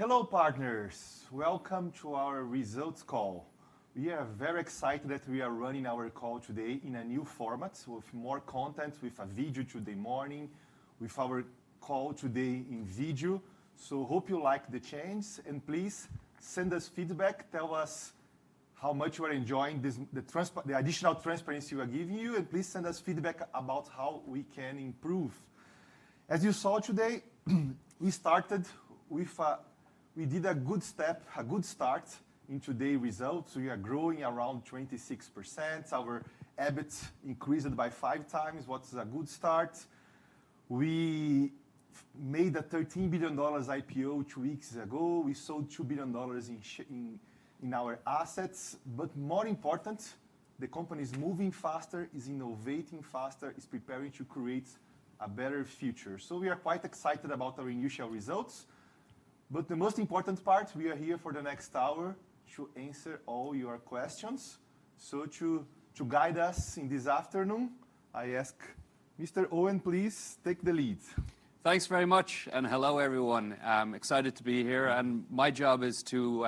Hello, partners. Welcome to our results call. We are very excited that we are running our call today in a new format, with more content, with a video today morning, with our call today in video, so hope you like the change, and please send us feedback. Tell us how much you are enjoying the additional transparency we are giving you, and please send us feedback about how we can improve. As you saw today, we did a good step, a good start in today's results. We are growing around 26%. Our EBIT increased by five times, which is a good start. We made a $13 billion IPO two weeks ago. We sold $2 billion in our assets, but more important, the company is moving faster, is innovating faster, is preparing to create a better future, so we are quite excited about our initial results. But the most important part, we are here for the next hour to answer all your questions. So to guide us in this afternoon, I ask Mr. Ryan, please take the lead. Thanks very much, and hello, everyone. I'm excited to be here, and my job is to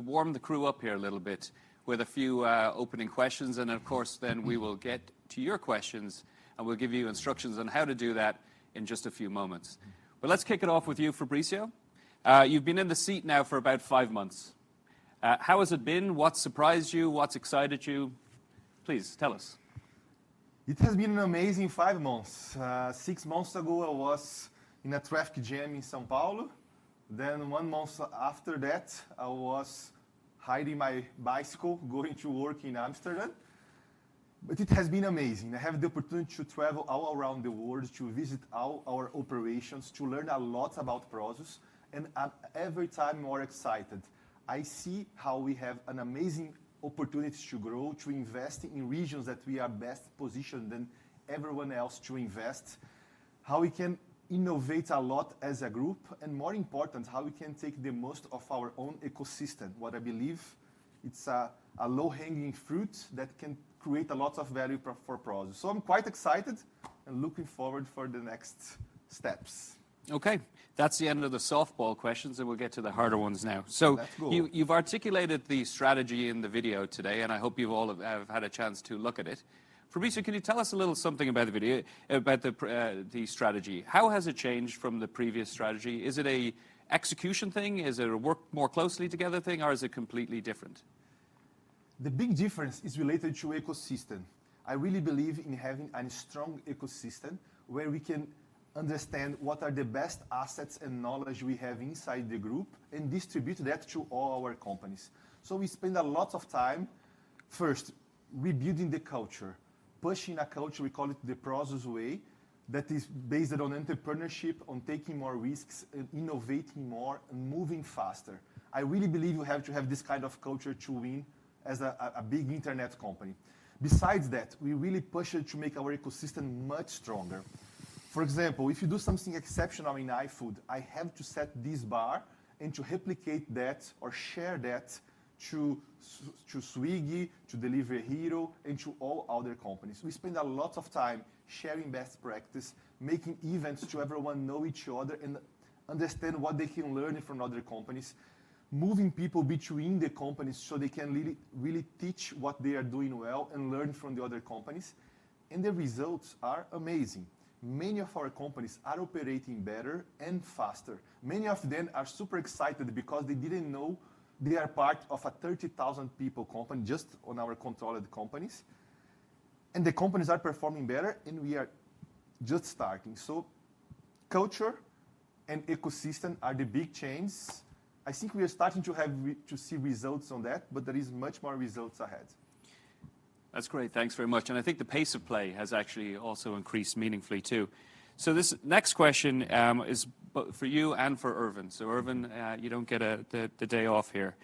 warm the crew up here a little bit with a few opening questions. And of course, then we will get to your questions, and we'll give you instructions on how to do that in just a few moments, but let's kick it off with you, Fabricio. You've been in the seat now for about five months. How has it been? What surprised you? What excited you? Please tell us. It has been an amazing five months. Six months ago, I was in a traffic jam in São Paulo. Then one month after that, I was riding my bicycle, going to work in Amsterdam. But it has been amazing. I have the opportunity to travel all around the world, to visit our operations, to learn a lot about Prosus, and I'm every time more excited. I see how we have an amazing opportunity to grow, to invest in regions that we are best positioned than everyone else to invest, how we can innovate a lot as a group, and more important, how we can take the most of our own ecosystem, what I believe is a low-hanging fruit that can create a lot of value for Prosus, so I'm quite excited and looking forward to the next steps. OK. That's the end of the softball questions, and we'll get to the harder ones now. That's cool. So you've articulated the strategy in the video today. And I hope you've all had a chance to look at it. Fabricio, can you tell us a little something about the video, about the strategy? How has it changed from the previous strategy? Is it an execution thing? Is it a work more closely together thing? Or is it completely different? The big difference is related to ecosystem. I really believe in having a strong ecosystem where we can understand what are the best assets and knowledge we have inside the group and distribute that to all our companies. So we spend a lot of time, first, rebuilding the culture, pushing a culture we call it the Prosus Way that is based on entrepreneurship, on taking more risks, innovating more, and moving faster. I really believe you have to have this kind of culture to win as a big internet company. Besides that, we really push it to make our ecosystem much stronger. For example, if you do something exceptional in iFood, I have to set this bar and to replicate that or share that to Swiggy, to Delivery Hero, and to all other companies. We spend a lot of time sharing best practices, making events so everyone knows each other and understands what they can learn from other companies, moving people between the companies so they can really teach what they are doing well and learn from the other companies, and the results are amazing. Many of our companies are operating better and faster. Many of them are super excited because they didn't know they are part of a 30,000-person company just on our controlled companies, and the companies are performing better, and we are just starting, so culture and ecosystem are the big changes. I think we are starting to see results on that, but there are much more results ahead. That's great. Thanks very much. And I think the pace of play has actually also increased meaningfully, too. So this next question is for you and for Ervin. So Ervin, you don't get the day off here.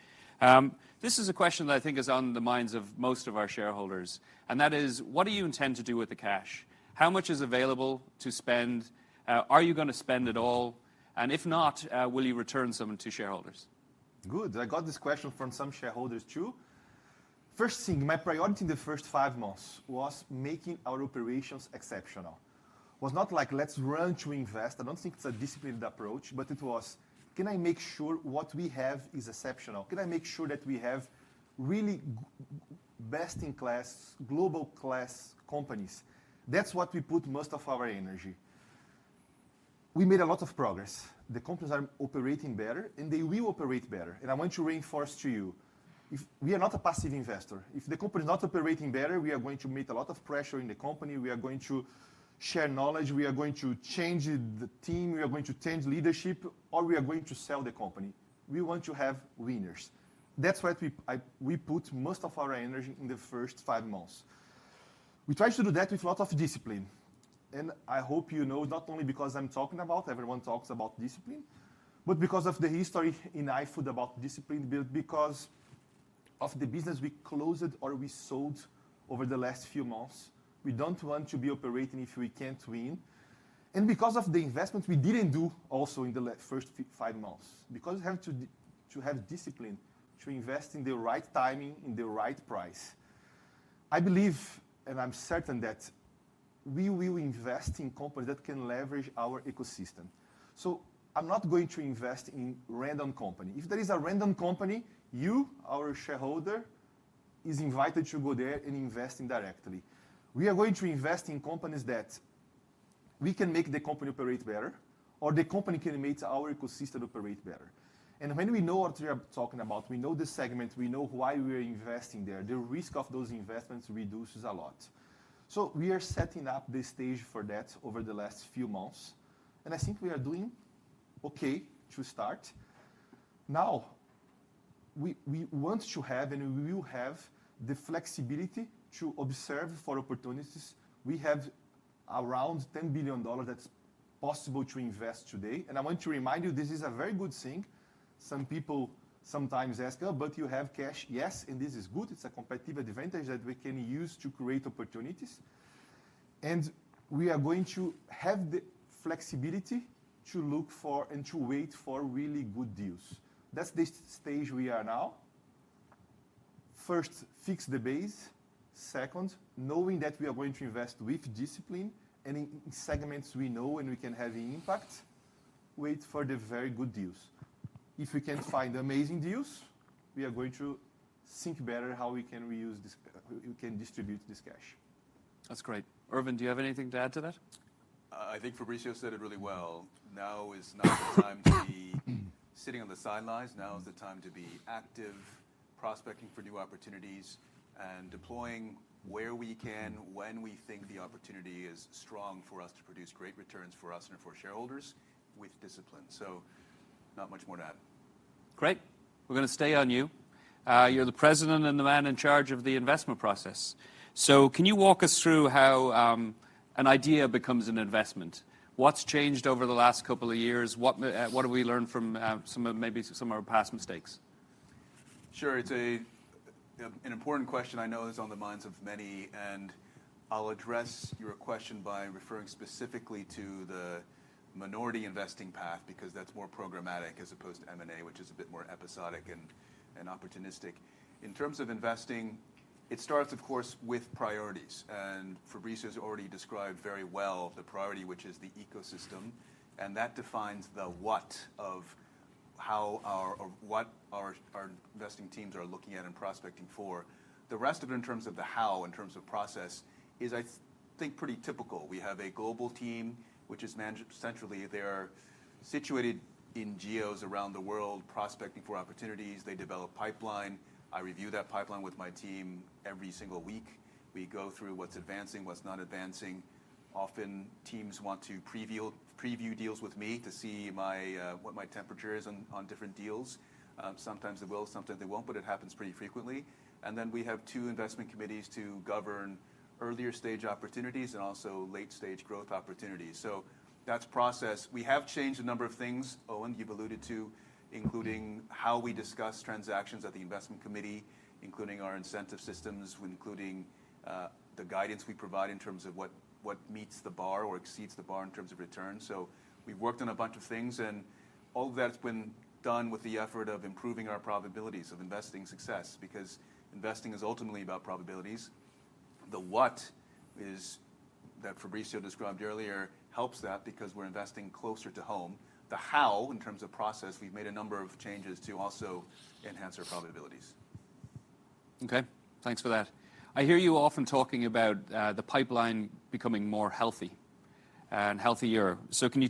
This is a question that I think is on the minds of most of our shareholders. And that is, what do you intend to do with the cash? How much is available to spend? Are you going to spend at all? And if not, will you return some to shareholders? Good. I got this question from some shareholders, too. First thing, my priority in the first five months was making our operations exceptional. It was not like, let's run to invest. I don't think it's a disciplined approach. But it was, can I make sure what we have is exceptional? Can I make sure that we have really best-in-class, global-class companies? That's what we put most of our energy. We made a lot of progress. The companies are operating better, and they will operate better, and I want to reinforce to you, we are not a passive investor. If the company is not operating better, we are going to meet a lot of pressure in the company. We are going to share knowledge. We are going to change the team. We are going to change leadership, or we are going to sell the company. We want to have winners. That's what we put most of our energy in the first five months. We tried to do that with a lot of discipline. And I hope you know it's not only because I'm talking about everyone talks about discipline, but because of the history in iFood about discipline, because of the business we closed or we sold over the last few months. We don't want to be operating if we can't win. And because of the investment we didn't do also in the first five months, because we have to have discipline to invest in the right timing, in the right price. I believe, and I'm certain that we will invest in companies that can leverage our ecosystem. So I'm not going to invest in a random company. If there is a random company, you, our shareholder, are invited to go there and invest directly. We are going to invest in companies that we can make the company operate better, or the company can make our ecosystem operate better. And when we know what we are talking about, we know the segment, we know why we are investing there, the risk of those investments reduces a lot. So we are setting up the stage for that over the last few months. And I think we are doing OK to start. Now, we want to have, and we will have, the flexibility to observe for opportunities. We have around $10 billion that's possible to invest today. And I want to remind you, this is a very good thing. Some people sometimes ask, "Oh, but you have cash?" Yes. And this is good. It's a competitive advantage that we can use to create opportunities. We are going to have the flexibility to look for and to wait for really good deals. That's the stage we are now. First, fix the base. Second, knowing that we are going to invest with discipline and in segments we know and we can have impact, wait for the very good deals. If we can't find amazing deals, we are going to think better how we can distribute this cash. That's great. Ervin, do you have anything to add to that? I think Fabricio said it really well. Now is not the time to be sitting on the sidelines. Now is the time to be active, prospecting for new opportunities, and deploying where we can, when we think the opportunity is strong for us to produce great returns for us and for shareholders with discipline. So not much more to add. Great. We're going to stay on you. You're the president and the man in charge of the investment process. So can you walk us through how an idea becomes an investment? What's changed over the last couple of years? What have we learned from maybe some of our past mistakes? Sure. It's an important question I know is on the minds of many. And I'll address your question by referring specifically to the minority investing path, because that's more programmatic as opposed to M&A, which is a bit more episodic and opportunistic. In terms of investing, it starts, of course, with priorities. And Fabricio has already described very well the priority, which is the ecosystem. And that defines the what of what our investing teams are looking at and prospecting for. The rest of it, in terms of the how, in terms of process, is, I think, pretty typical. We have a global team, which is centrally there, situated in geos around the world, prospecting for opportunities. They develop a pipeline. I review that pipeline with my team every single week. We go through what's advancing, what's not advancing. Often, teams want to preview deals with me to see what my temperature is on different deals. Sometimes they will. Sometimes they won't. But it happens pretty frequently. And then we have two investment committees to govern earlier stage opportunities and also late stage growth opportunities. So that's process. We have changed a number of things, Eoin, you've alluded to, including how we discuss transactions at the investment committee, including our incentive systems, including the guidance we provide in terms of what meets the bar or exceeds the bar in terms of return. So we've worked on a bunch of things. And all of that's been done with the effort of improving our probabilities of investing success, because investing is ultimately about probabilities. The what, that Fabricio described earlier, helps that because we're investing closer to home. The how, in terms of process, we've made a number of changes to also enhance our probabilities. OK. Thanks for that. I hear you often talking about the pipeline becoming more healthy and healthier. So can you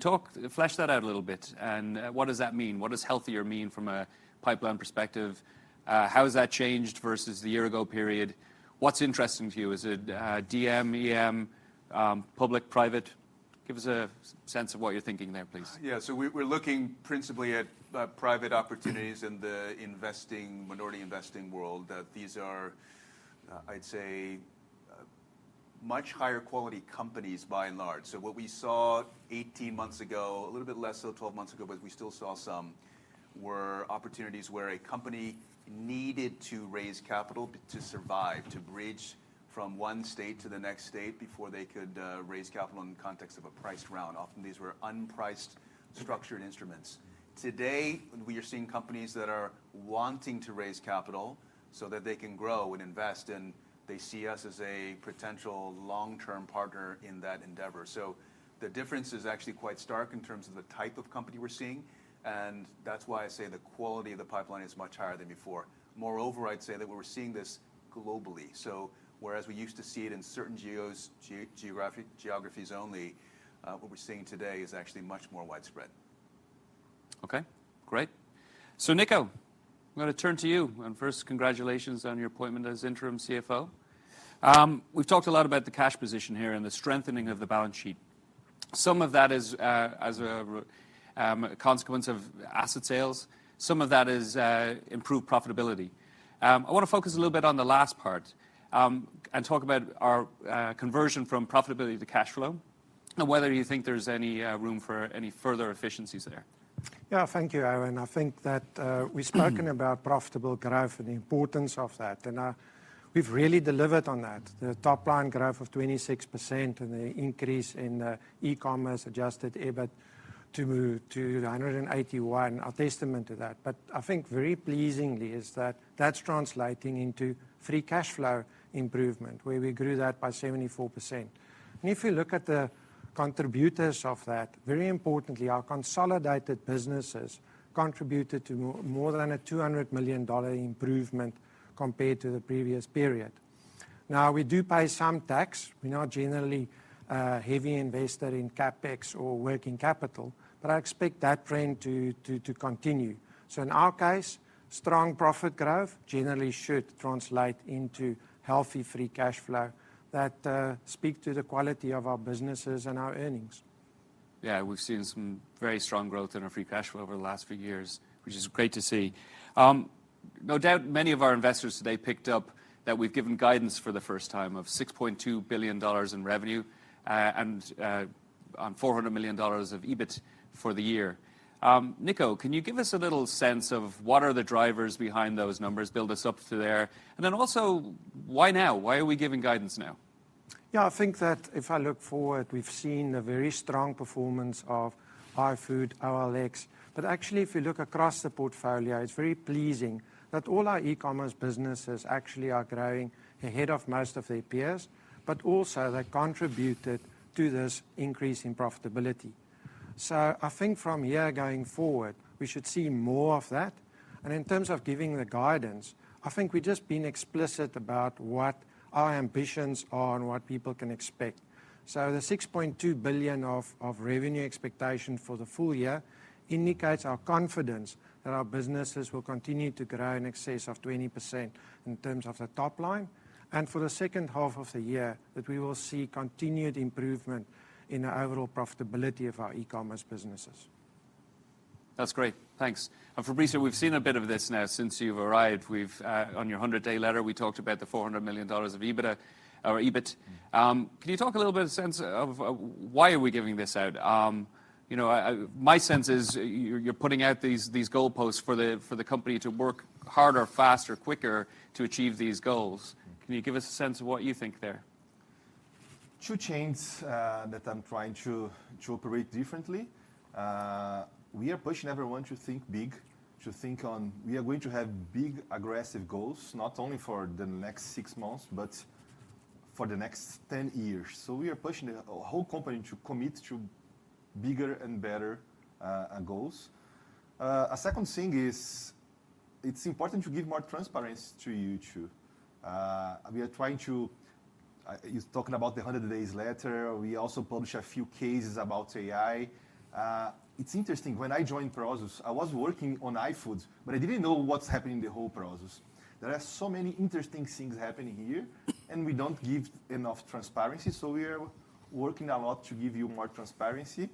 flesh that out a little bit? And what does that mean? What does healthier mean from a pipeline perspective? How has that changed versus the year-ago period? What's interesting to you? Is it DM, EM, public, private? Give us a sense of what you're thinking there, please. Yeah. So we're looking principally at private opportunities in the investing, minority investing world. These are, I'd say, much higher quality companies by and large. So what we saw 18 months ago, a little bit less so 12 months ago, but we still saw some, were opportunities where a company needed to raise capital to survive, to bridge from one state to the next state before they could raise capital in the context of a priced round. Often, these were unpriced, structured instruments. Today, we are seeing companies that are wanting to raise capital so that they can grow and invest. And they see us as a potential long-term partner in that endeavor. So the difference is actually quite stark in terms of the type of company we're seeing. And that's why I say the quality of the pipeline is much higher than before. Moreover, I'd say that we're seeing this globally. So whereas we used to see it in certain geographies only, what we're seeing today is actually much more widespread. OK. Great. So Nico, I'm going to turn to you. And first, congratulations on your appointment as interim CFO. We've talked a lot about the cash position here and the strengthening of the balance sheet. Some of that is as a consequence of asset sales. Some of that is improved profitability. I want to focus a little bit on the last part and talk about our conversion from profitability to cash flow and whether you think there's any room for any further efficiencies there. Yeah. Thank you, Ervin. I think that we've spoken about profitable growth and the importance of that. And we've really delivered on that. The top line growth of 26% and the increase in e-commerce Adjusted EBIT to 181 are testament to that. But I think very pleasingly is that that's translating into free cash flow improvement, where we grew that by 74%. And if you look at the contributors of that, very importantly, our consolidated businesses contributed to more than a $200 million improvement compared to the previous period. Now, we do pay some tax. We're not generally heavy investors in CapEx or working capital. But I expect that trend to continue. So in our case, strong profit growth generally should translate into healthy free cash flow that speaks to the quality of our businesses and our earnings. Yeah. We've seen some very strong growth in our free cash flow over the last few years, which is great to see. No doubt, many of our investors today picked up that we've given guidance for the first time of $6.2 billion in revenue and $400 million of EBIT for the year. Nico, can you give us a little sense of what are the drivers behind those numbers? Build us up to there, and then also, why now? Why are we giving guidance now? Yeah. I think that if I look forward, we've seen a very strong performance of iFood, OLX. But actually, if you look across the portfolio, it's very pleasing that all our e-commerce businesses actually are growing ahead of most of their peers, but also they contributed to this increase in profitability. So I think from here going forward, we should see more of that. And in terms of giving the guidance, I think we've just been explicit about what our ambitions are and what people can expect. So the $6.2 billion of revenue expectation for the full year indicates our confidence that our businesses will continue to grow in excess of 20% in terms of the top line. And for the second half of the year, that we will see continued improvement in the overall profitability of our e-commerce businesses. That's great. Thanks. And Fabricio, we've seen a bit of this now since you've arrived. On your 100-day letter, we talked about the $400 million of EBIT. Can you talk a little bit of a sense of why are we giving this out? My sense is you're putting out these goalposts for the company to work harder, faster, quicker to achieve these goals. Can you give us a sense of what you think there? Two changes that I'm trying to operate differently. We are pushing everyone to think big, to think, "Oh, we are going to have big, aggressive goals," not only for the next six months, but for the next 10 years, so we are pushing the whole company to commit to bigger and better goals. A second thing is it's important to give more transparency to you, too. We are trying to. You're talking about the 100 days letter. We also published a few cases about AI. It's interesting. When I joined Prosus, I was working on iFood. But I didn't know what's happening in the whole Prosus. There are so many interesting things happening here, and we don't give enough transparency, so we are working a lot to give you more transparency.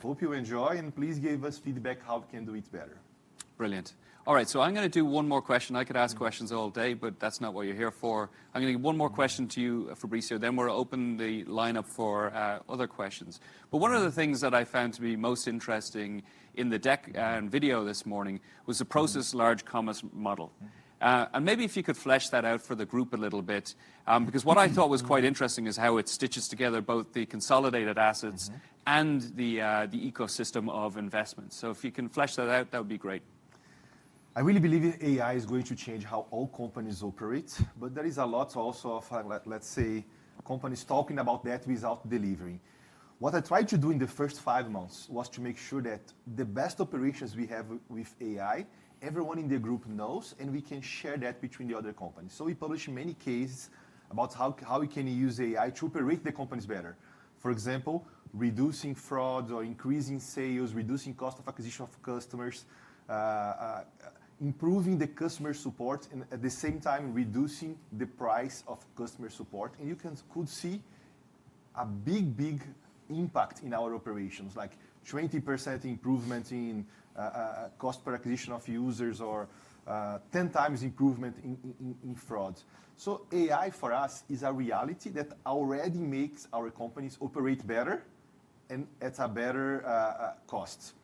Hope you enjoy and please give us feedback how we can do it better. Brilliant. All right. So I'm going to do one more question. I could ask questions all day, but that's not what you're here for. I'm going to give one more question to you, Fabricio. Then we'll open the line up for other questions. But one of the things that I found to be most interesting in the deck and video this morning was the Prosus Large Commerce Model. And maybe if you could flesh that out for the group a little bit, because what I thought was quite interesting is how it stitches together both the consolidated assets and the ecosystem of investments. So if you can flesh that out, that would be great. I really believe AI is going to change how all companies operate, but there is a lot also of, let's say, companies talking about that without delivering. What I tried to do in the first five months was to make sure that the best operations we have with AI, everyone in the group knows, and we can share that between the other companies, so we published many cases about how we can use AI to operate the companies better. For example, reducing fraud or increasing sales, reducing cost of acquisition of customers, improving the customer support, and at the same time reducing the price of customer support, and you could see a big, big impact in our operations, like 20% improvement in cost per acquisition of users or 10 times improvement in fraud. So AI for us is a reality that already makes our companies operate better, and at a better cost.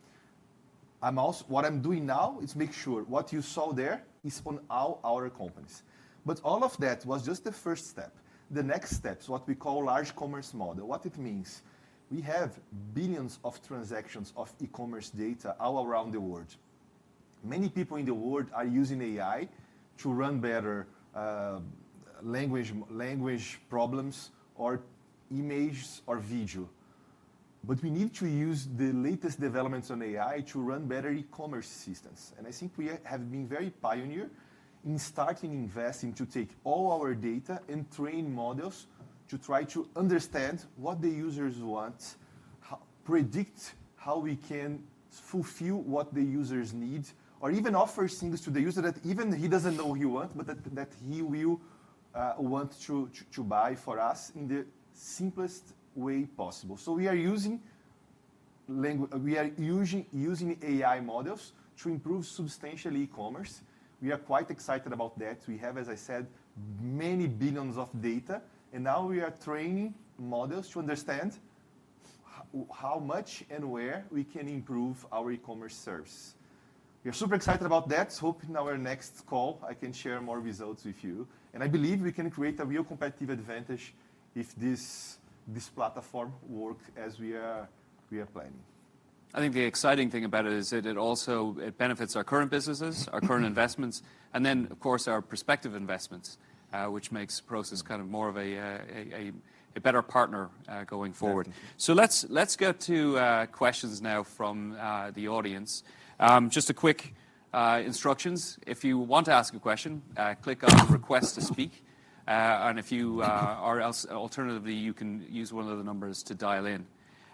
What I'm doing now is make sure what you saw there is on all our companies. But all of that was just the first step. The next step is what we call Large Commerce Model. What it means? We have billions of transactions of e-commerce data all around the world. Many people in the world are using AI to run better language models or images or video. But we need to use the latest developments on AI to run better e-commerce systems. I think we have been very pioneering in starting to invest into taking all our data and training models to try to understand what the users want, predict how we can fulfill what the users need, or even offer things to the user that even he doesn't know he wants, but that he will want to buy from us in the simplest way possible. So we are using AI models to improve substantially e-commerce. We are quite excited about that. We have, as I said, many billions of data. And now we are training models to understand how much and where we can improve our e-commerce service. We are super excited about that. Hoping in our next call, I can share more results with you. And I believe we can create a real competitive advantage if this platform works as we are planning. I think the exciting thing about it is that it also benefits our current businesses, our current investments, and then, of course, our prospective investments, which makes Prosus kind of more of a better partner going forward. So let's get to questions now from the audience. Just a quick instructions. If you want to ask a question, click on 'Request to Speak.' And if you are else alternatively, you can use one of the numbers to dial in.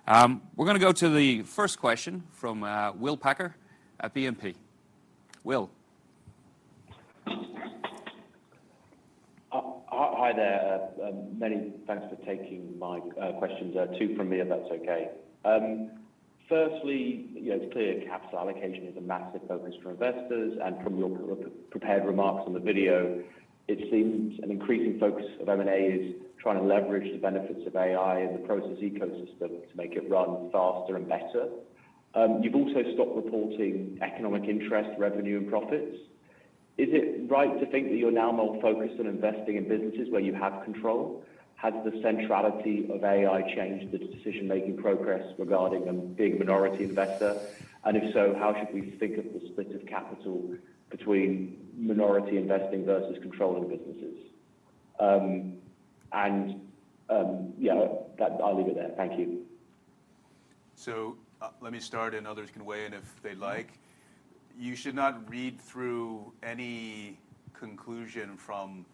We're going to go to the first question from Will Packer at BNP. Will? Hi there. Many thanks for taking my questions. Two from me, if that's OK. Firstly, it's clear capital allocation is a massive focus for investors. From your prepared remarks on the video, it seems an increasing focus of M&A is trying to leverage the benefits of AI and the Prosus ecosystem to make it run faster and better. You've also stopped reporting economic interest, revenue, and profits. Is it right to think that you're now more focused on investing in businesses where you have control? Has the centrality of AI changed the decision-making process regarding being a minority investor? If so, how should we think of the split of capital between minority investing versus controlling businesses? Yeah, I'll leave it there. Thank you. So let me start, and others can weigh in if they'd like. You should not read through any conclusion from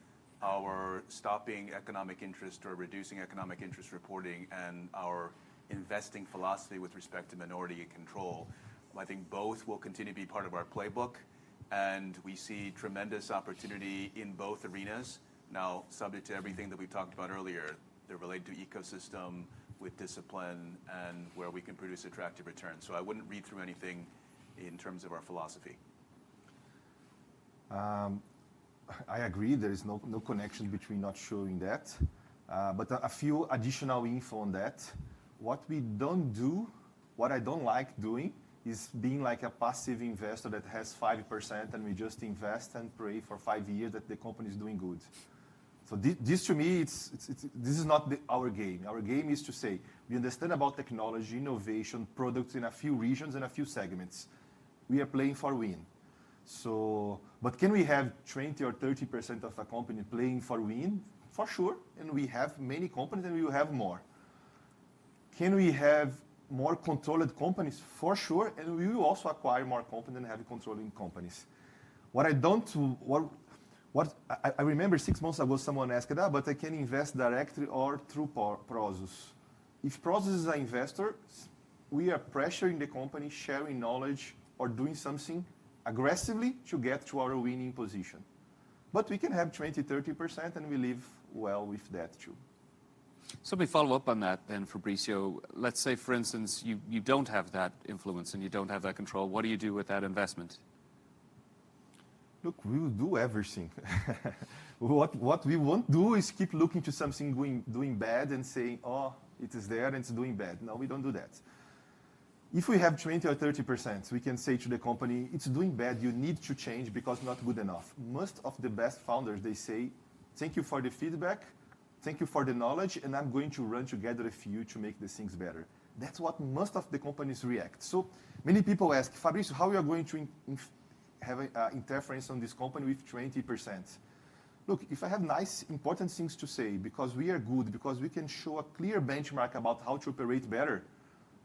our stopping economic interest or reducing economic interest reporting and our investing philosophy with respect to minority control. I think both will continue to be part of our playbook. And we see tremendous opportunity in both arenas, now subject to everything that we've talked about earlier. They're related to ecosystem with discipline and where we can produce attractive returns. So I wouldn't read through anything in terms of our philosophy. I agree. There is no connection between not showing that, but a few additional info on that. What we don't do, what I don't like doing, is being like a passive investor that has 5%, and we just invest and pray for five years that the company is doing good. So this, to me, this is not our game. Our game is to say we understand about technology, innovation, products in a few regions and a few segments. We are playing for win, but can we have 20% or 30% of a company playing for win? For sure, and we have many companies, and we will have more. Can we have more controlled companies? For sure, and we will also acquire more companies and have controlling companies. What I don't remember six months ago, someone asked that, but they can invest directly or through Prosus. If Prosus is an investor, we are pressuring the company, sharing knowledge or doing something aggressively to get to our winning position, but we can have 20%, 30%, and we live well with that too. So let me follow up on that then, Fabricio. Let's say, for instance, you don't have that influence, and you don't have that control. What do you do with that investment? Look, we will do everything. What we won't do is keep looking to something doing bad and saying, oh, it is there, and it's doing bad. No, we don't do that. If we have 20% or 30%, we can say to the company, it's doing bad. You need to change because not good enough. Most of the best founders, they say, thank you for the feedback. Thank you for the knowledge. And I'm going to run together a few to make the things better. That's what most of the companies react. So many people ask, Fabricio, how are you going to have interference on this company with 20%? Look, if I have nice, important things to say because we are good, because we can show a clear benchmark about how to operate better,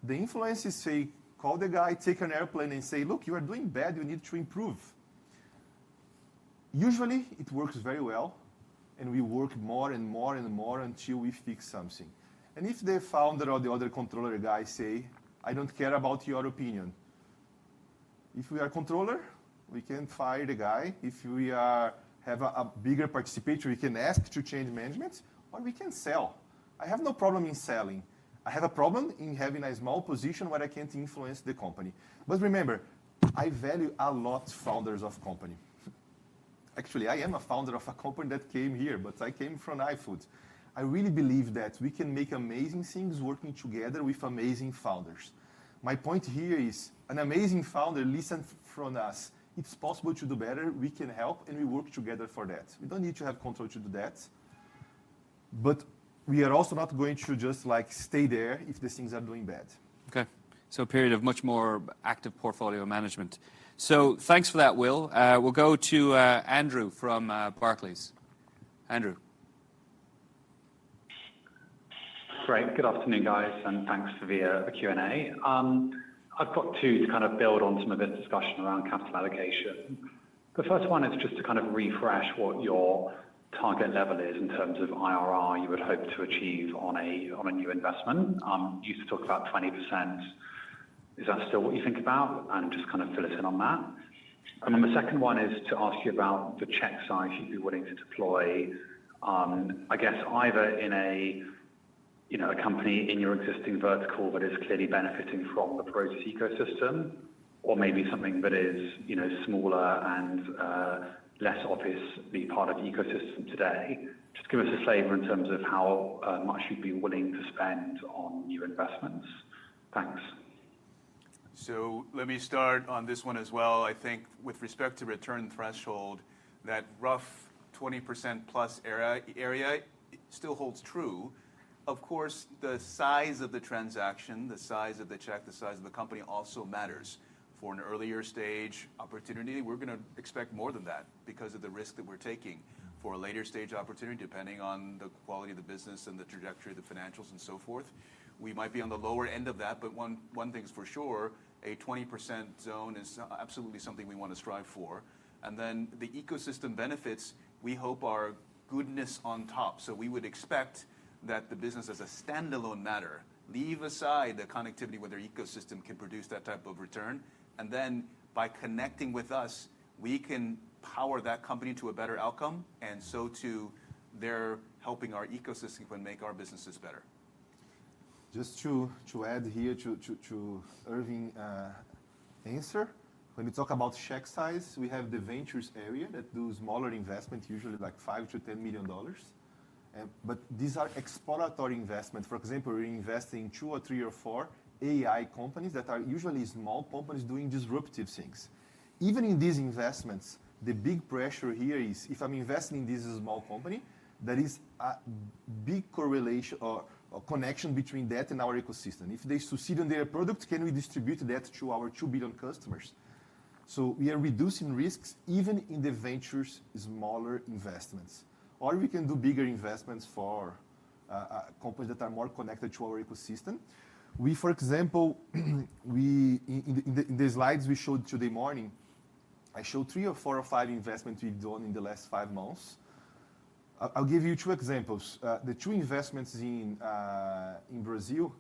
the influencers say, call the guy, take an airplane, and say, look, you are doing bad. You need to improve. Usually, it works very well. And we work more and more and more until we fix something. And if the founder or the other controller guy say, "I don't care about your opinion." If we are controller, we can fire the guy. If we have a bigger participation, we can ask to change management, or we can sell. I have no problem in selling. I have a problem in having a small position where I can't influence the company. But remember, I value a lot founders of company. Actually, I am a founder of a company that came here, but I came from iFood. I really believe that we can make amazing things working together with amazing founders. My point here is an amazing founder listens from us. It's possible to do better. We can help. And we work together for that. We don't need to have control to do that, but we are also not going to just stay there if the things are doing bad. OK. So a period of much more active portfolio management. So thanks for that, Will. We'll go to Andrew from Barclays. Andrew? Great. Good afternoon, guys. And thanks for the Q&A. I've got two to kind of build on some of this discussion around capital allocation. The first one is just to kind of refresh what your target level is in terms of IRR you would hope to achieve on a new investment. You talked about 20%. Is that still what you think about? And just kind of fill us in on that. And then the second one is to ask you about the check size you'd be willing to deploy, I guess, either in a company in your existing vertical that is clearly benefiting from the Prosus ecosystem, or maybe something that is smaller and less obviously part of the ecosystem today. Just give us a flavor in terms of how much you'd be willing to spend on new investments? Thanks. So let me start on this one as well. I think with respect to return threshold, that rough 20% plus area still holds true. Of course, the size of the transaction, the size of the check, the size of the company also matters for an earlier stage opportunity. We're going to expect more than that because of the risk that we're taking for a later stage opportunity, depending on the quality of the business and the trajectory, the financials, and so forth. We might be on the lower end of that. But one thing's for sure, a 20% zone is absolutely something we want to strive for. And then the ecosystem benefits, we hope, are goodness on top. So we would expect that the business as a standalone matter, leave aside the connectivity where their ecosystem can produce that type of return. And then, by connecting with us, we can power that company to a better outcome, and so too, they're helping our ecosystem and make our businesses better. Just to add here to Ervin's answer, when we talk about check size, we have the Ventures area that does smaller investments, usually like $5 million-$10 million. But these are exploratory investments. For example, we're investing in two or three or four AI companies that are usually small companies doing disruptive things. Even in these investments, the big pressure here is if I'm investing in this small company, there is a big correlation or connection between that and our ecosystem. If they succeed in their product, can we distribute that to our 2 billion customers? So we are reducing risks even in the ventures smaller investments. Or we can do bigger investments for companies that are more connected to our ecosystem. We, for example, in the slides we showed today morning, I showed three or four or five investments we've done in the last five months. I'll give you two examples. The two investments in Brazil,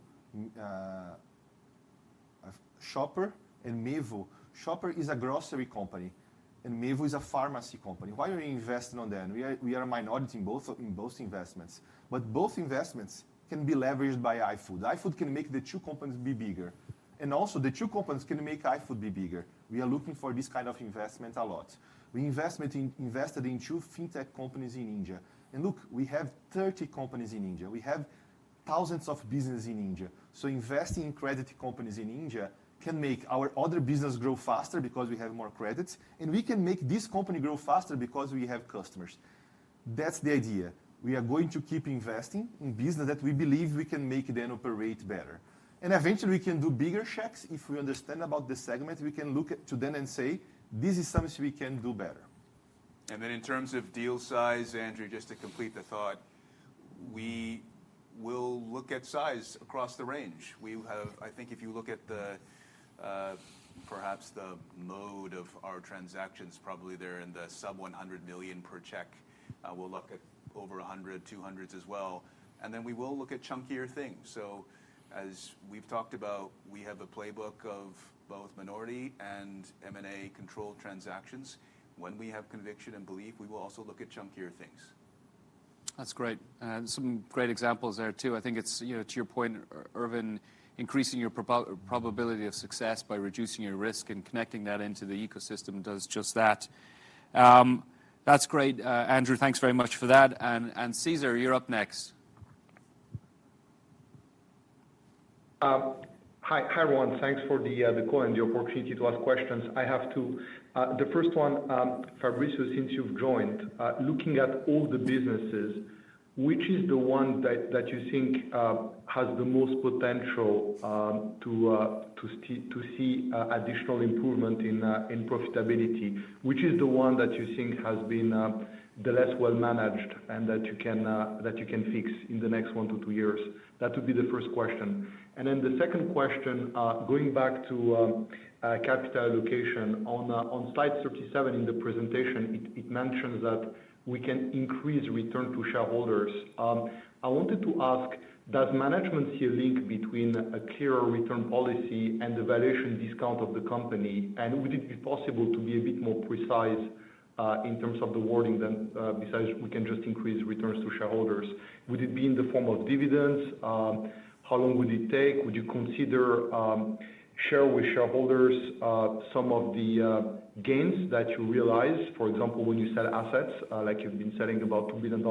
Shopper and Mevo. Shopper is a grocery company. And Mevo is a pharmacy company. Why are we investing on that? We are a minority in both investments. But both investments can be leveraged by iFood. iFood can make the two companies be bigger. And also, the two companies can make iFood be bigger. We are looking for this kind of investment a lot. We invested in two fintech companies in India. And look, we have 30 companies in India. We have thousands of businesses in India. So investing in credit companies in India can make our other business grow faster because we have more credits. And we can make this company grow faster because we have customers. That's the idea. We are going to keep investing in business that we believe we can make them operate better. Eventually, we can do bigger checks. If we understand about the segment, we can look to them and say, this is something we can do better. And then in terms of deal size, Andrew, just to complete the thought, we will look at size across the range. I think if you look at perhaps the mode of our transactions, probably they're in the sub-100 million per check. We'll look at over 100, 200 as well. And then we will look at chunkier things. So as we've talked about, we have a playbook of both minority and M&A controlled transactions. When we have conviction and belief, we will also look at chunkier things. That's great. Some great examples there too. I think it's, to your point, Ervin, increasing your probability of success by reducing your risk and connecting that into the ecosystem does just that. That's great. Andrew, thanks very much for that, and Cesar, you're up next. Hi, everyone. Thanks for the call and the opportunity to ask questions. I have two. The first one, Fabricio, since you've joined, looking at all the businesses, which is the one that you think has the most potential to see additional improvement in profitability? Which is the one that you think has been the less well managed and that you can fix in the next one to two years? That would be the first question. And then the second question, going back to capital allocation, on slide 37 in the presentation, it mentions that we can increase return to shareholders. I wanted to ask, does management see a link between a clearer return policy and the valuation discount of the company? And would it be possible to be a bit more precise in terms of the wording than besides we can just increase returns to shareholders? Would it be in the form of dividends? How long would it take? Would you consider share with shareholders some of the gains that you realize, for example, when you sell assets, like you've been selling about $2 billion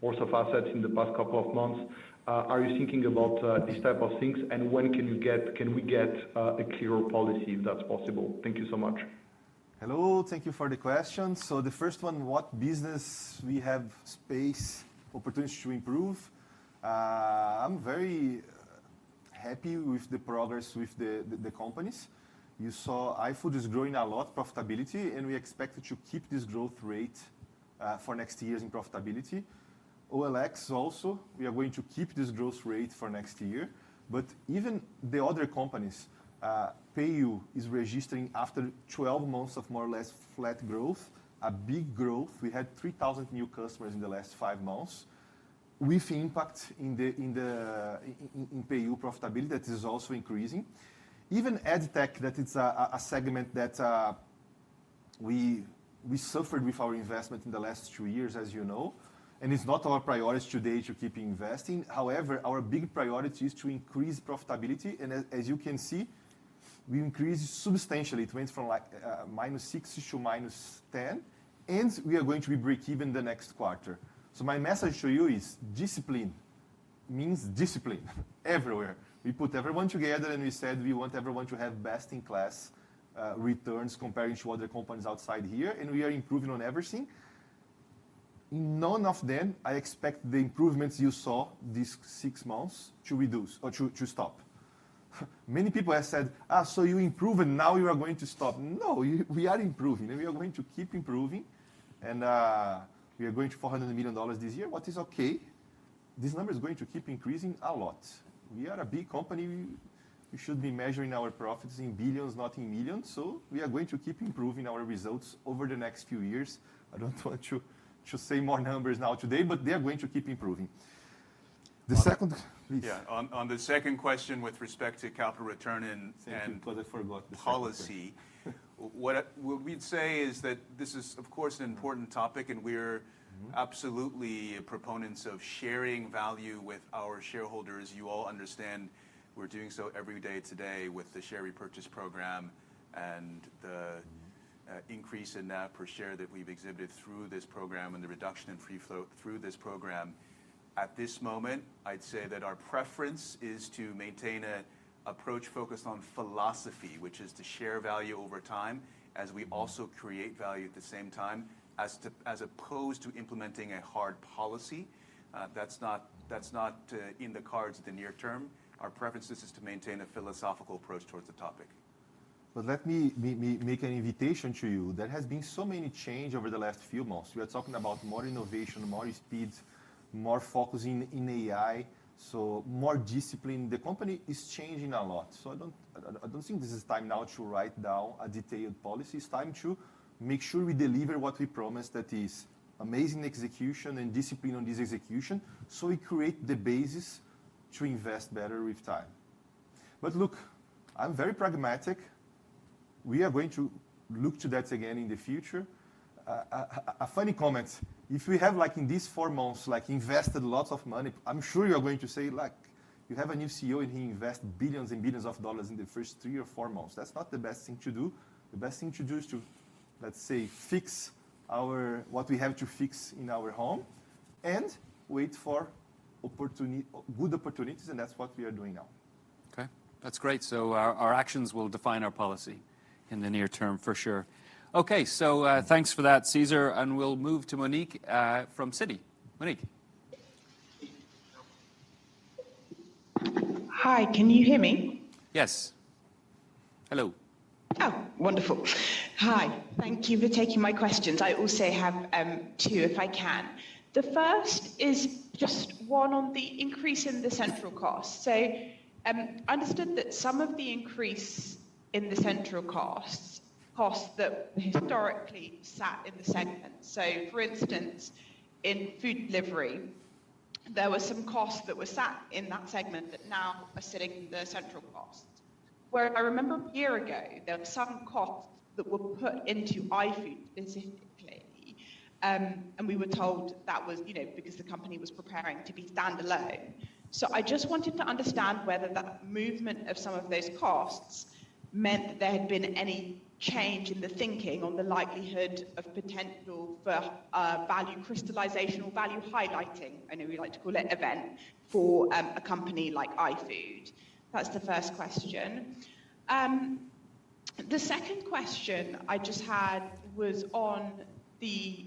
worth of assets in the past couple of months? Are you thinking about these types of things? And when can we get a clearer policy, if that's possible? Thank you so much. Hello. Thank you for the question. So the first one, what business we have space, opportunities to improve? I'm very happy with the progress with the companies. You saw iFood is growing a lot, profitability. And we expect to keep this growth rate for next years in profitability. OLX also, we are going to keep this growth rate for next year. But even the other companies, PayU is registering after 12 months of more or less flat growth, a big growth. We had 3,000 new customers in the last five months. We've impact in PayU profitability that is also increasing. Even EdTech, that is a segment that we suffered with our investment in the last two years, as you know. And it's not our priority today to keep investing. However, our big priority is to increase profitability. And as you can see, we increased substantially. It went from like -6 to -10, and we are going to be breakeven the next quarter, so my message to you is discipline means discipline everywhere. We put everyone together, and we said we want everyone to have best-in-class returns compared to other companies outside here, and we are improving on everything. None of them, I expect, the improvements you saw these six months to reduce or to stop. Many people have said, so you improve, and now you are going to stop. No, we are improving, and we are going to keep improving, and we are going to $400 million this year, which is OK. This number is going to keep increasing a lot. We are a big company. We should be measuring our profits in billions, not in millions, so we are going to keep improving our results over the next few years. I don't want to say more numbers now today. But they are going to keep improving. The second. Yeah. On the second question with respect to capital return and policy, what we'd say is that this is, of course, an important topic, and we're absolutely proponents of sharing value with our shareholders. You all understand we're doing so every day today with the share repurchase program and the increase in NAV per share that we've exhibited through this program and the reduction in free float through this program. At this moment, I'd say that our preference is to maintain an approach focused on philosophy, which is to share value over time as we also create value at the same time, as opposed to implementing a hard policy. That's not in the cards in the near term. Our preference is to maintain a philosophical approach towards the topic. But let me make an invitation to you. There has been so many changes over the last few months. We are talking about more innovation, more speeds, more focusing in AI, so more discipline. The company is changing a lot. So I don't think this is time now to write down a detailed policy. It's time to make sure we deliver what we promised, that is amazing execution and discipline on this execution, so we create the basis to invest better with time. But look, I'm very pragmatic. We are going to look to that again in the future. A funny comment. If we have, like in these four months, invested lots of money, I'm sure you're going to say, like, you have a new CEO, and he invests billions and billions of dollars in the first three or four months. That's not the best thing to do. The best thing to do is to, let's say, fix what we have to fix in our home and wait for good opportunities, and that's what we are doing now. OK. That's great. So our actions will define our policy in the near term, for sure. OK. So thanks for that, Cesar. And we'll move to Monique from Citi. Monique? Hi. Can you hear me? Yes. Hello. Oh, wonderful. Hi. Thank you for taking my questions. I also have two if I can. The first is just one on the increase in the central costs. So I understood that some of the increase in the central costs that historically sat in the segment. So for instance, in food delivery, there were some costs that were sat in that segment that now are sitting in the central costs. Whereas I remember a year ago, there were some costs that were put into iFood specifically. And we were told that was because the company was preparing to be standalone. So I just wanted to understand whether that movement of some of those costs meant that there had been any change in the thinking on the likelihood of potential for value crystallization or value highlighting, I know we like to call it, event for a company like iFood. That's the first question. The second question I just had was on the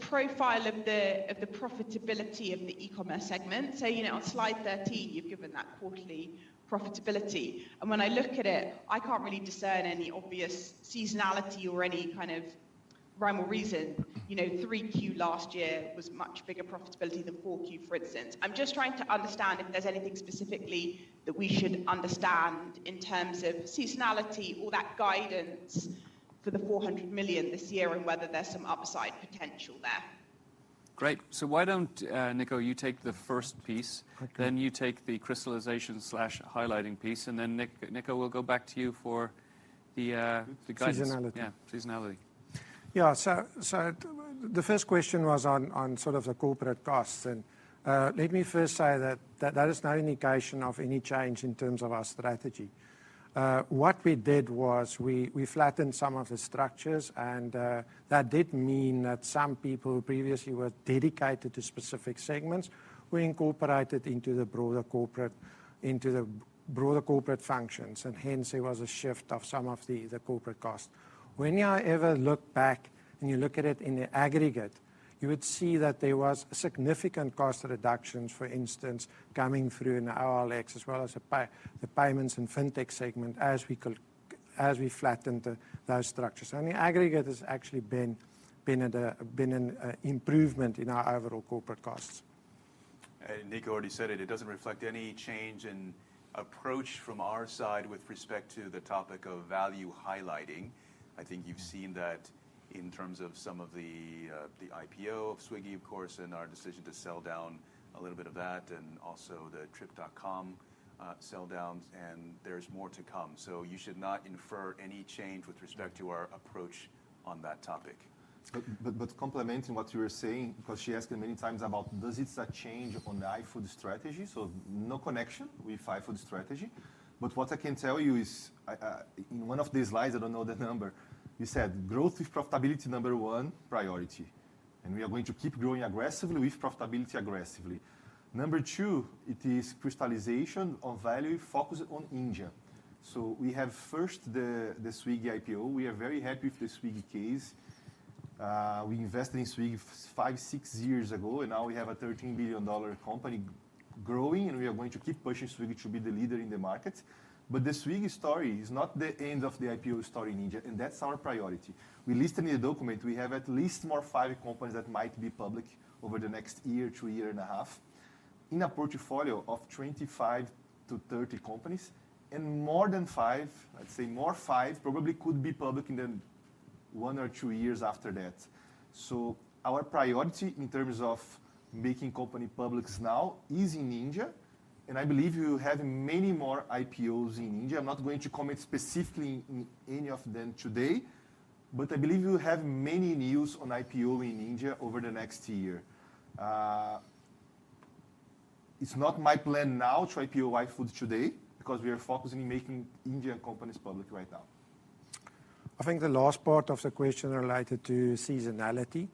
profile of the profitability of the e-commerce segment. So on slide 13, you've given that quarterly profitability. And when I look at it, I can't really discern any obvious seasonality or any kind of rhyme or reason. You know, 3Q last year was much bigger profitability than 4Q, for instance. I'm just trying to understand if there's anything specifically that we should understand in terms of seasonality or that guidance for the $400 million this year and whether there's some upside potential there. Great. So why don't you, Nico, take the first piece. Then you take the crystallization/highlighting piece. And then Nico will go back to you for the guidance. Seasonality. Seasonality. Yeah. So the first question was on sort of the corporate costs. And let me first say that that is not an indication of any change in terms of our strategy. What we did was we flattened some of the structures. And that did mean that some people who previously were dedicated to specific segments were incorporated into the broader corporate functions. And hence, there was a shift of some of the corporate costs. Whenever you look back and you look at it in the aggregate, you would see that there was significant cost reductions, for instance, coming through in our OLX as well as the payments and fintech segment as we flattened those structures. So in the aggregate, there's actually been an improvement in our overall corporate costs. And Nico already said it. It doesn't reflect any change in approach from our side with respect to the topic of value highlighting. I think you've seen that in terms of some of the IPO of Swiggy, of course, and our decision to sell down a little bit of that and also the Trip.com sell downs. And there is more to come. So you should not infer any change with respect to our approach on that topic. But complementing what you were saying, because she asked me many times about does it change on the iFood strategy? So no connection with iFood strategy. But what I can tell you is in one of these slides, I don't know the number, you said growth with profitability number one, priority. And we are going to keep growing aggressively with profitability aggressively. Number two, it is crystallization of value focused on India. So we have first the Swiggy IPO. We are very happy with the Swiggy case. We invested in Swiggy 5-6 years ago. And now we have a $13 billion company growing. And we are going to keep pushing Swiggy to be the leader in the market. But the Swiggy story is not the end of the IPO story in India. And that's our priority. We listed in the document we have at least five more companies that might be public over the next year, 2.5 years in a portfolio of 25-30 companies. More than five, I'd say five more probably could be public in the one or two years after that. Our priority in terms of making companies public now is in India. I believe we will have many more IPOs in India. I'm not going to comment specifically on any of them today. I believe we will have many news on IPO in India over the next year. It's not my plan now to IPO iFood today because we are focusing on making Indian companies public right now. I think the last part of the question related to seasonality.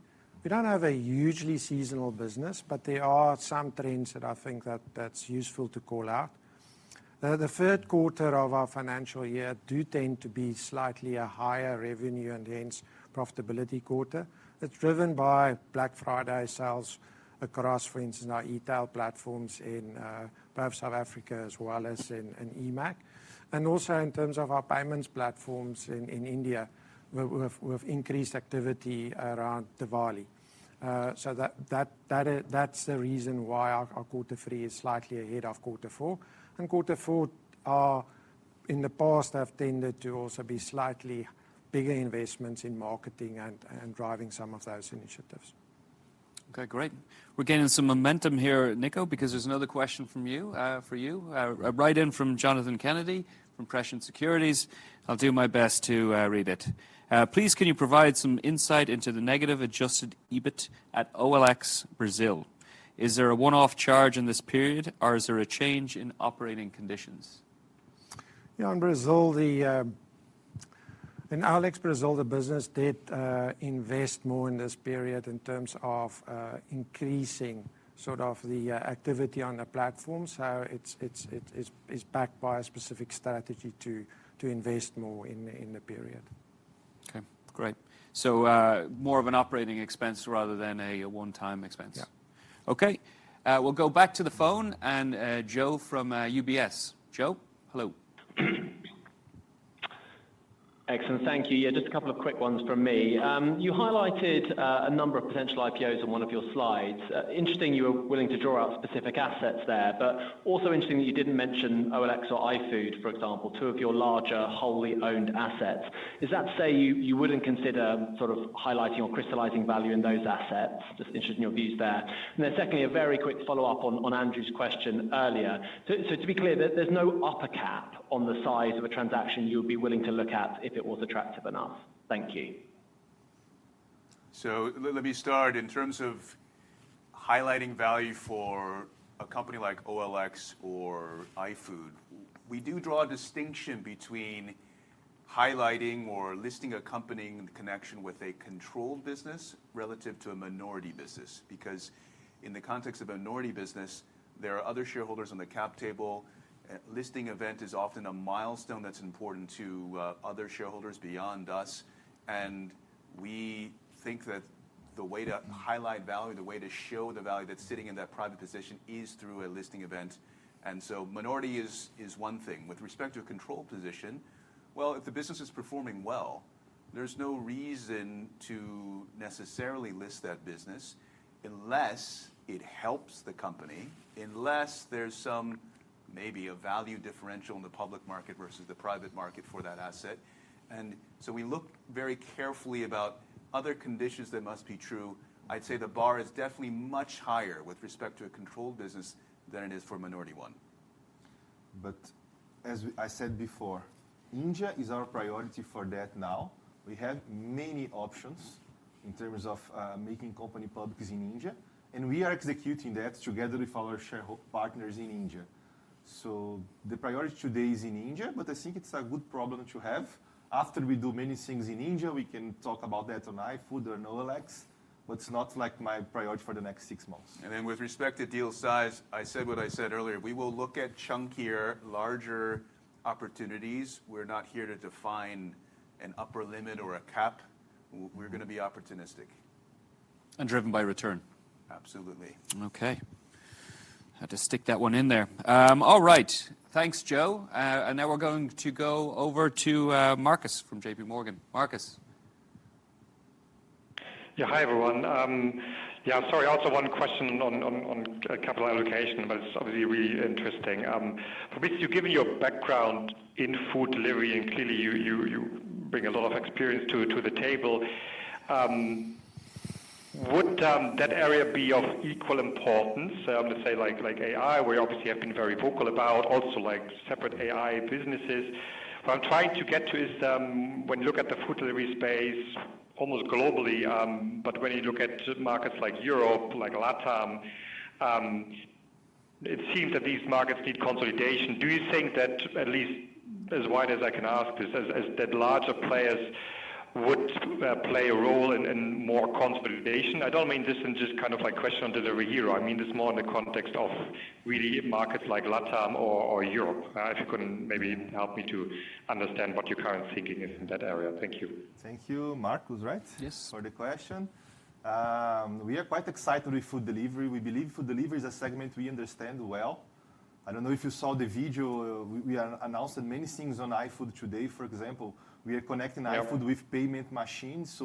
We don't have a hugely seasonal business. But there are some trends that I think that's useful to call out. The third quarter of our financial year do tend to be slightly a higher revenue and hence profitability quarter. It's driven by Black Friday sales across, for instance, our e-tail platforms in both South Africa as well as in eMAG. And also in terms of our payments platforms in India, we have increased activity around Diwali. So that's the reason why our quarter three is slightly ahead of quarter four. And quarter four, in the past, have tended to also be slightly bigger investments in marketing and driving some of those initiatives. OK. Great. We're getting some momentum here, Nico, because there's another question for you right in from Jonathan Kennedy from Prescient Securities. I'll do my best to read it. Please, can you provide some insight into the negative Adjusted EBIT at OLX Brazil? Is there a one-off charge in this period? Or is there a change in operating conditions? Yeah. In Brazil, the OLX Brazil, the business did invest more in this period in terms of increasing sort of the activity on the platforms. So it's backed by a specific strategy to invest more in the period. OK. Great. So more of an operating expense rather than a one-time expense. Yeah. OK. We'll go back to the phone, and Joe from UBS. Joe, hello. Excellent. Thank you. Yeah, just a couple of quick ones from me. You highlighted a number of potential IPOs in one of your slides. Interesting you were willing to draw out specific assets there. But also interesting that you didn't mention OLX or iFood, for example, two of your larger wholly owned assets. Is that to say you wouldn't consider sort of highlighting or crystallizing value in those assets? Just interested in your views there. And then secondly, a very quick follow-up on Andrew's question earlier. So to be clear, there's no upper cap on the size of a transaction you would be willing to look at if it was attractive enough. Thank you. So let me start. In terms of highlighting value for a company like OLX or iFood, we do draw a distinction between highlighting or listing accompanying the connection with a controlled business relative to a minority business. Because in the context of a minority business, there are other shareholders on the cap table. Listing event is often a milestone that's important to other shareholders beyond us, and we think that the way to highlight value, the way to show the value that's sitting in that private position, is through a listing event, and so minority is one thing. With respect to a controlled position, well, if the business is performing well, there's no reason to necessarily list that business unless it helps the company, unless there's some maybe a value differential in the public market versus the private market for that asset. We look very carefully about other conditions that must be true. I'd say the bar is definitely much higher with respect to a controlled business than it is for a minority one. But as I said before, India is our priority for that now. We have many options in terms of making companies public in India. And we are executing that together with our shareholder partners in India. So the priority today is in India. But I think it's a good problem to have. After we do many things in India, we can talk about that on iFood or on OLX. But it's not like my priority for the next six months. And then with respect to deal size, I said what I said earlier. We will look at chunkier, larger opportunities. We're not here to define an upper limit or a cap. We're going to be opportunistic. And driven by return. Absolutely. OK. I had to stick that one in there. All right. Thanks, Joe. And now we're going to go over to Marcus from JPMorgan. Marcus? Yeah. Hi, everyone. Yeah. Sorry. Also one question on capital allocation. But it's obviously really interesting. For me, you've given your background in food delivery. And clearly, you bring a lot of experience to the table. Would that area be of equal importance, let's say, like AI, where you obviously have been very vocal about also separate AI businesses? What I'm trying to get to is when you look at the food delivery space almost globally, but when you look at markets like Europe, like LatAm, it seems that these markets need consolidation. Do you think that, at least as wide as I can ask, that larger players would play a role in more consolidation? I don't mean this in just kind of like question on Delivery Hero. I mean this more in the context of really markets like LatAm or Europe. If you could maybe help me to understand what your current thinking is in that area. Thank you. Thank you, Marcus. Right? Yes. For the question. We are quite excited with food delivery. We believe food delivery is a segment we understand well. I don't know if you saw the video. We announced many things on iFood today. For example, we are connecting iFood with payment machines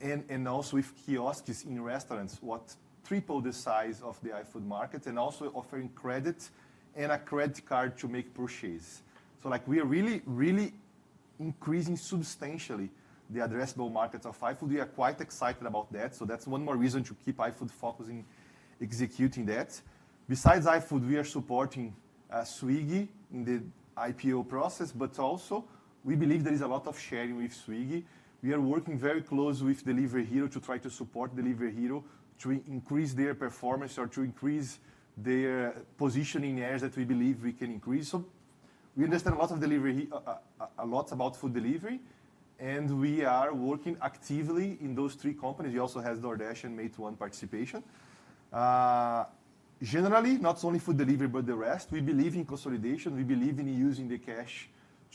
and also with kiosks in restaurants, what tripled the size of the iFood market and also offering credit and a credit card to make purchase. So we are really, really increasing substantially the addressable markets of iFood. We are quite excited about that. So that's one more reason to keep iFood focusing on executing that. Besides iFood, we are supporting Swiggy in the IPO process. But also, we believe there is a lot of sharing with Swiggy. We are working very close with Delivery Hero to try to support Delivery Hero to increase their performance or to increase their positioning there that we believe we can increase. We understand a lot about food delivery. We are working actively in those three companies. He also has DoorDash and Meituan participation. Generally, not only food delivery, but the rest. We believe in consolidation. We believe in using the cash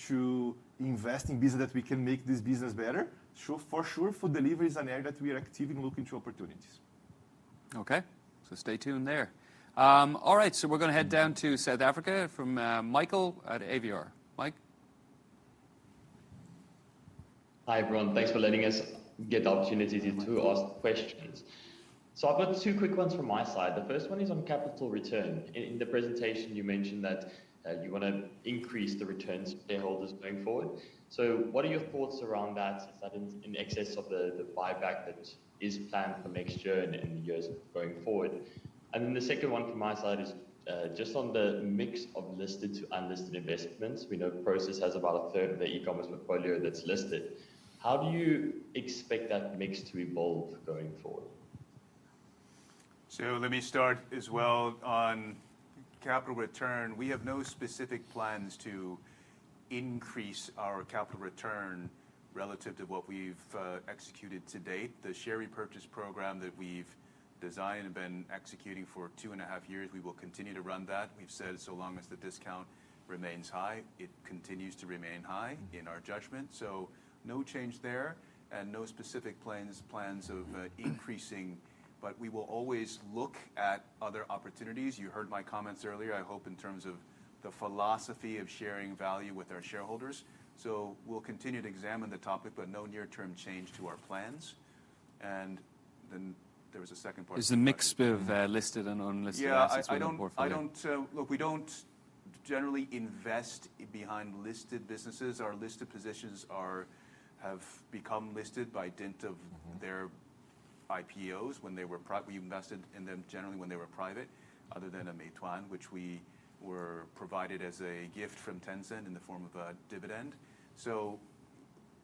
to invest in business that we can make this business better. For sure, food delivery is an area that we are actively looking to opportunities. OK. So stay tuned there. All right. So we're going to head down to South Africa from Michael at Avior. Mike? Hi, everyone. Thanks for letting us get the opportunity to ask questions. So I've got two quick ones from my side. The first one is on capital return. In the presentation, you mentioned that you want to increase the returns for shareholders going forward. So what are your thoughts around that? Is that in excess of the buyback that is planned for next year and years going forward? And then the second one from my side is just on the mix of listed to unlisted investments. We know Prescient has about 1/3 of the e-commerce portfolio that's listed. How do you expect that mix to evolve going forward? So let me start as well on capital return. We have no specific plans to increase our capital return relative to what we've executed to date. The share repurchase program that we've designed and been executing for two and a half years, we will continue to run that. We've said so long as the discount remains high, it continues to remain high in our judgment. So no change there and no specific plans of increasing. But we will always look at other opportunities. You heard my comments earlier, I hope, in terms of the philosophy of sharing value with our shareholders. So we'll continue to examine the topic, but no near-term change to our plans. And then there was a second part. There's a mix of listed and unlisted portfolio. Yeah. Look, we don't generally invest behind listed businesses. Our listed positions have become listed by dint of their IPOs. When they were private, we invested in them generally when they were private, other than a Meituan, which we were provided as a gift from Tencent in the form of a dividend. So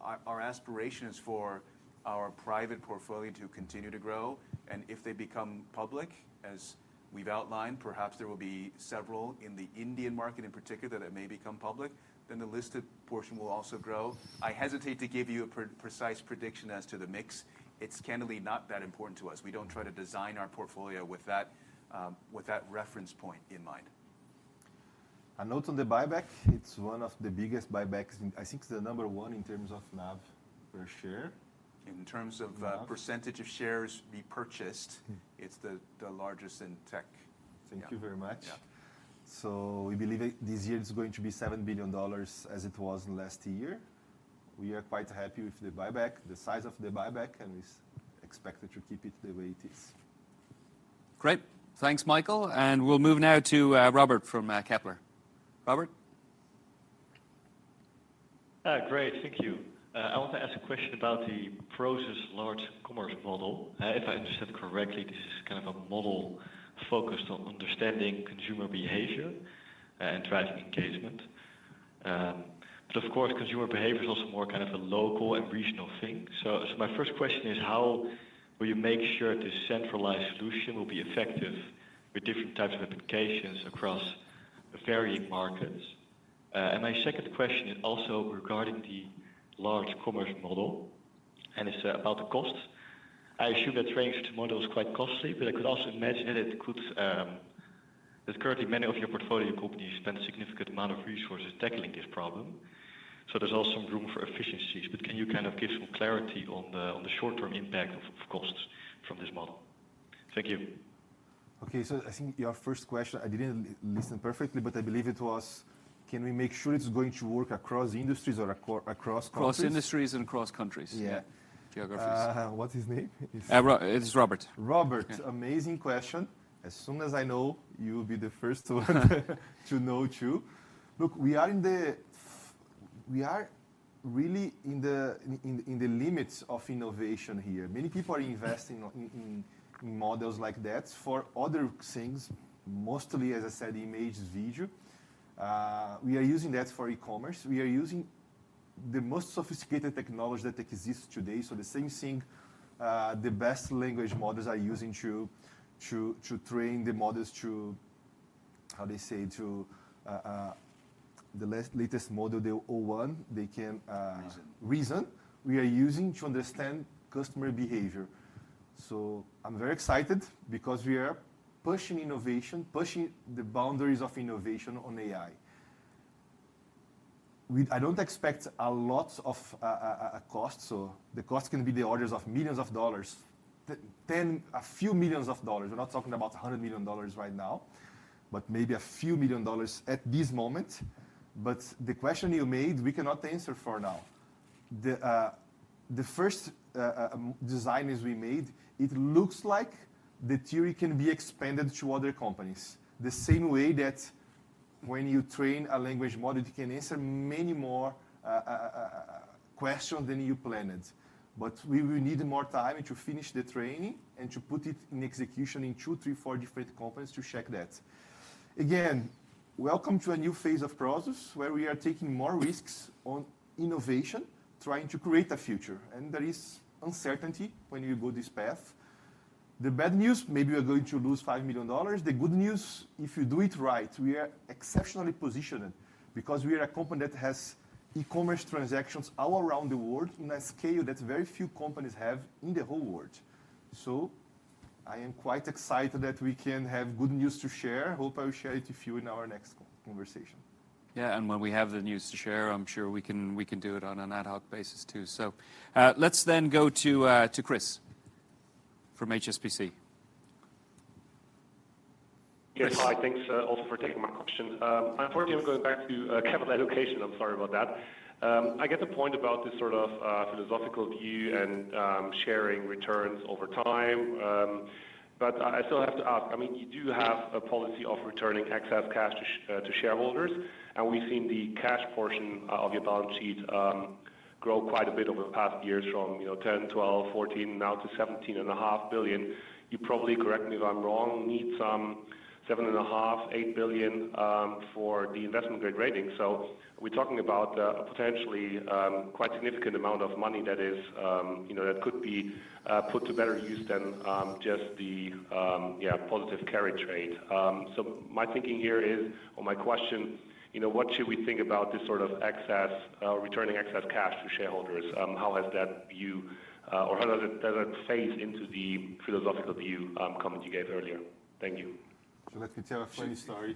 our aspiration is for our private portfolio to continue to grow. And if they become public, as we've outlined, perhaps there will be several in the Indian market in particular that may become public. Then the listed portion will also grow. I hesitate to give you a precise prediction as to the mix. It's candidly not that important to us. We don't try to design our portfolio with that reference point in mind. Notes on the buyback, it's one of the biggest buybacks. I think it's the number one in terms of NAV per share. In terms of percentage of shares we purchased, it's the largest in tech. Thank you very much. So we believe this year it's going to be $7 billion as it was last year. We are quite happy with the buyback, the size of the buyback. And we expect to keep it the way it is. Great. Thanks, Michael. And we'll move now to Robert from Kepler. Robert? Great. Thank you. I want to ask a question about the Prosus's Large Commerce Model. If I understand correctly, this is kind of a model focused on understanding consumer behavior and driving engagement. But of course, consumer behavior is also more kind of a local and regional thing. So my first question is, how will you make sure this centralized solution will be effective with different types of applications across varying markets? And my second question is also regarding the Large Commerce Model. And it's about the costs. I assume that training this model is quite costly. But I could also imagine that it could currently many of your portfolio companies spend a significant amount of resources tackling this problem. So there's also some room for efficiencies. But can you kind of give some clarity on the short-term impact of costs from this model? Thank you. OK, so I think your first question, I didn't listen perfectly, but I believe it was, can we make sure it's going to work across industries or across countries? Across industries and across countries. Yeah. Geographies. What's his name? It's Robert. Robert, amazing question. As soon as I know, you will be the first one to know, too. Look, we are really in the limits of innovation here. Many people are investing in models like that for other things, mostly, as I said, image, video. We are using that for e-commerce. We are using the most sophisticated technology that exists today. So the same thing, the best language models are using to train the models to, how do they say, to the latest model, the o1, they can reason. We are using to understand customer behavior. So I'm very excited because we are pushing innovation, pushing the boundaries of innovation on AI. I don't expect a lot of costs. So the cost can be on the order of millions of dollars, $10 million, a few million dollars. We're not talking about $100 million right now, but maybe a few million dollars at this moment. But the question you made, we cannot answer for now. The first design we made, it looks like the theory can be expanded to other companies the same way that when you train a language model, it can answer many more questions than you planned. But we will need more time to finish the training and to put it in execution in two, three, four different companies to check that. Again, welcome to a new phase of process where we are taking more risks on innovation, trying to create a future. And there is uncertainty when you go this path. The bad news, maybe we're going to lose $5 million. The good news, if you do it right, we are exceptionally positioned because we are a company that has e-commerce transactions all around the world in a scale that very few companies have in the whole world. So I am quite excited that we can have good news to share. Hope I will share it with you in our next conversation. Yeah, and when we have the news to share, I'm sure we can do it on an ad hoc basis, too, so let's then go to Chris from HSBC. Yes. Hi. Thanks also for taking my question. Unfortunately, I'm going back to capital allocation. I'm sorry about that. I get the point about this sort of philosophical view and sharing returns over time. But I still have to ask. I mean, you do have a policy of returning excess cash to shareholders. And we've seen the cash portion of your balance sheet grow quite a bit over the past years from $10 billion, $12 billion, $14 billion, now to $17.5 billion. You probably correct me if I'm wrong, need some $7.5 billion-$8 billion for the investment grade rating. So we're talking about a potentially quite significant amount of money that could be put to better use than just the positive carry trade. So my thinking here is, or my question, what should we think about this sort of excess returning excess cash to shareholders? How has that view or how does it phase into the philosophical view comment you gave earlier? Thank you. So let me tell a funny story.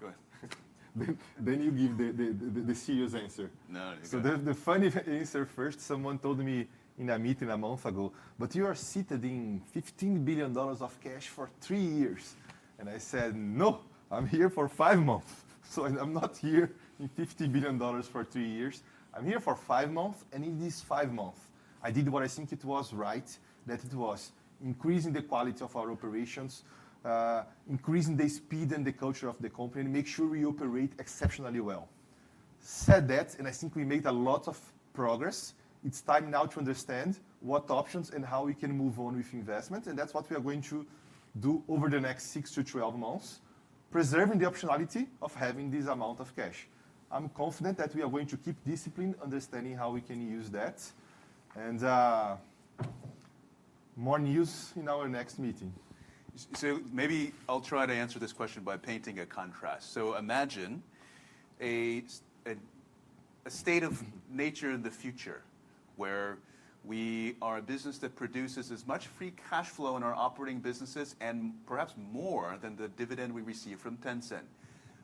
Go ahead. Then you give the serious answer. No. So the funny answer first, someone told me in a meeting a month ago, but you are sitting $15 billion of cash for three years. And I said, no. I'm here for five months. So I'm not here in $50 billion for three years. I'm here for five months. And in these five months, I did what I think it was right, that it was increasing the quality of our operations, increasing the speed and the culture of the company, and make sure we operate exceptionally well. Said that, and I think we made a lot of progress. It's time now to understand what options and how we can move on with investment. And that's what we are going to do over the next 6-12 months, preserving the optionality of having this amount of cash. I'm confident that we are going to keep discipline, understanding how we can use that, and more news in our next meeting. So maybe I'll try to answer this question by painting a contrast. So imagine a state of nature in the future where we are a business that produces as much free cash flow in our operating businesses and perhaps more than the dividend we receive from Tencent.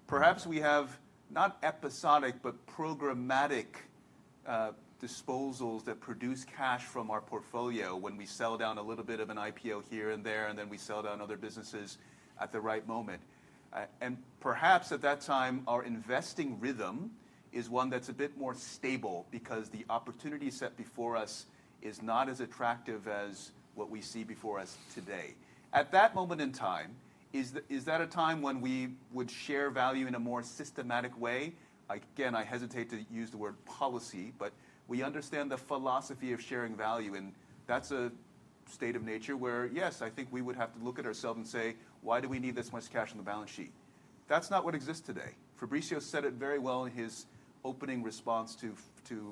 Perhaps we have not episodic, but programmatic disposals that produce cash from our portfolio when we sell down a little bit of an IPO here and there, and then we sell down other businesses at the right moment. And perhaps at that time, our investing rhythm is one that's a bit more stable because the opportunity set before us is not as attractive as what we see before us today. At that moment in time, is that a time when we would share value in a more systematic way? Again, I hesitate to use the word policy. But we understand the philosophy of sharing value. And that's a state of nature where, yes, I think we would have to look at ourselves and say, why do we need this much cash on the balance sheet? That's not what exists today. Fabricio said it very well in his opening response to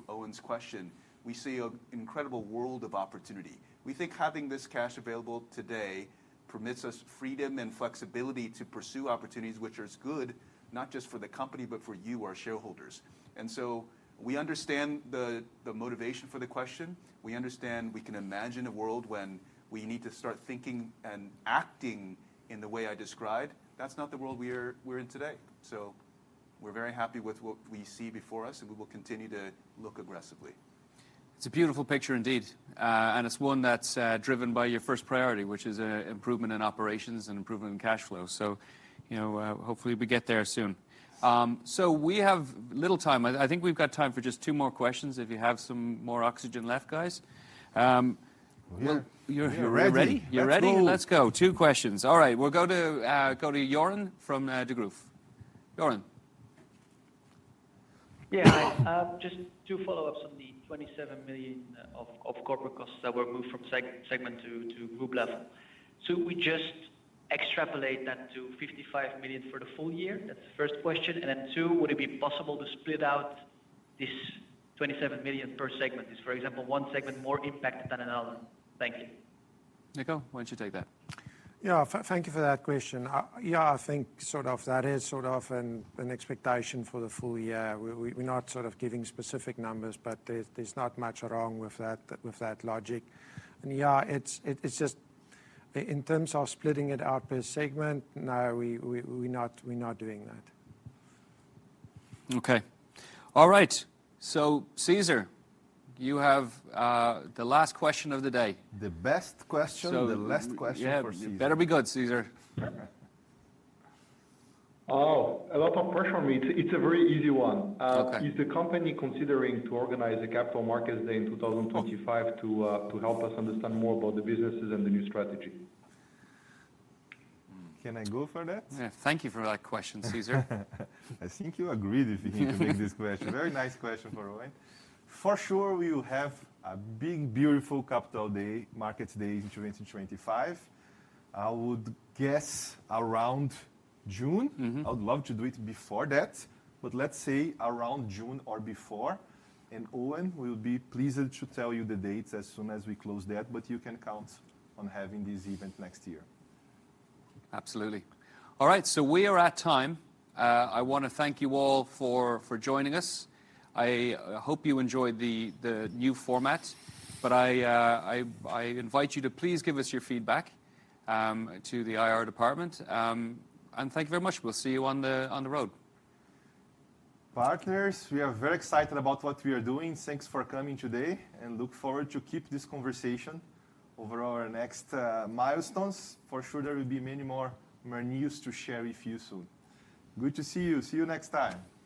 Eoin's question. We see an incredible world of opportunity. We think having this cash available today permits us freedom and flexibility to pursue opportunities, which is good not just for the company, but for you, our shareholders. And so we understand the motivation for the question. We understand we can imagine a world when we need to start thinking and acting in the way I described. That's not the world we're in today. So we're very happy with what we see before us. And we will continue to look aggressively. It's a beautiful picture, indeed. And it's one that's driven by your first priority, which is improvement in operations and improvement in cash flow. So hopefully, we get there soon. So we have little time. I think we've got time for just two more questions if you have some more oxygen left, guys. You're ready? You're ready? Let's go. Two questions. All right. We'll go to Joren from Degroof. Joren? Yeah. Just two follow-ups on the $27 million of corporate costs that were moved from segment to group level. So we just extrapolate that to $55 million for the full year? That's the first question. And then two, would it be possible to split out this $27 million per segment? Is, for example, one segment more impacted than another? Thank you. Nico, why don't you take that? Yeah. Thank you for that question. Yeah, I think sort of that is sort of an expectation for the full year. We're not sort of giving specific numbers. But there's not much wrong with that logic. And yeah, it's just in terms of splitting it out per segment, no, we're not doing that. OK. All right. So Cesar, you have the last question of the day. The best question and the last question for Cesar. Better be good, Cesar. Oh, a lot of questions for me. It's a very easy one. Is the company considering to organize a Capital Markets Day in 2025 to help us understand more about the businesses and the new strategy? Can I go for that? Yeah. Thank you for that question, Cesar. I think you agreed if you can make this question. Very nice question for Eoin. For sure, we will have a big, beautiful Capital Markets Day in 2025. I would guess around June. I would love to do it before that. But let's say around June or before. Eoin will be pleased to tell you the dates as soon as we close that. But you can count on having this event next year. Absolutely. All right, so we are at time. I want to thank you all for joining us. I hope you enjoyed the new format, but I invite you to please give us your feedback to the IR department, and thank you very much. We'll see you on the road. Partners, we are very excited about what we are doing. Thanks for coming today, and look forward to keeping this conversation over our next milestones. For sure, there will be many more news to share with you soon. Good to see you. See you next time.